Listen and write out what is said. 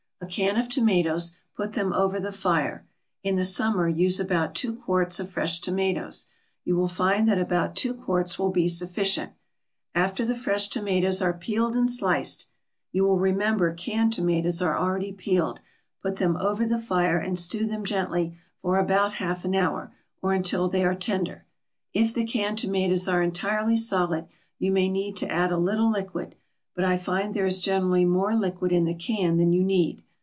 A can of tomatoes; put them over the fire. In the summer use about two quarts of fresh tomatoes. You will find that about two quarts will be sufficient. After the fresh tomatoes are peeled and sliced (you will remember canned tomatoes are already peeled), put them over the fire and stew them gently for about half an hour, or until they are tender. If the canned tomatoes are entirely solid you may need to add a little liquid, but I find there is generally more liquid in the can than you need.